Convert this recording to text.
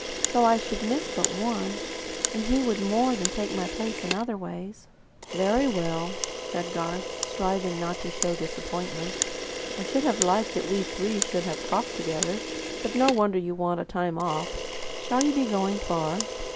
So I should miss but one; and he would more than take my place in other ways." "Very well," said Garth, striving not to show disappointment. "I should have liked that we three should have talked together. But no wonder you want a time off. Shall you be going far?"